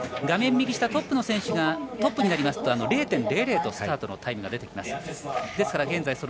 画面右下、トップの選手がトップになりますと０．００とスタートのタイムが出てきます。